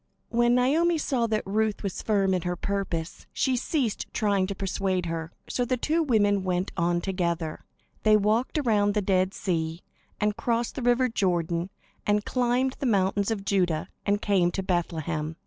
When Naomi saw that Ruth was firm in her purpose, she ceased trying to persuade her; so the two women went on together. They walked around the Dead Sea, and crossed the river Jordan, and climbed the mountains of Judah, and came to Bethlehem.